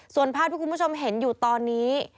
ส่วนภาพที่คุณผู้ชมเห็นอยู่ตอนนี้